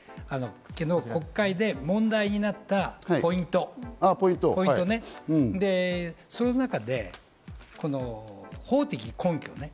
昨日、国会で問題になったポイント、その中で法的根拠ね